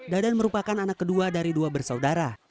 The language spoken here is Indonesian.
dadan merupakan anak kedua dari dua bersaudara